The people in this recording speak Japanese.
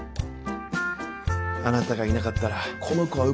あなたがいなかったらこの子は生まれてなかった。